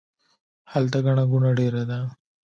هلته ګڼه ګوڼه ډیره ده